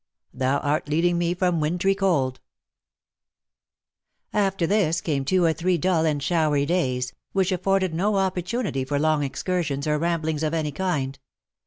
thou art leading me from wintry cold/'' After this came two or three dull and showery daySj which afforded no opportunity for long excursions or ramblings of any kind.